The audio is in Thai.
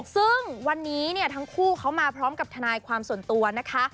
ซึ่งวันนี้เนี่ยทั้งคู่เขามาพร้อมกับทนายความส่วนตัวนะคะ